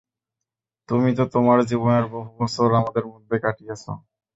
তুমি তো তোমার জীবনের বহু বছর আমাদের মধ্যে কাটিয়েছ।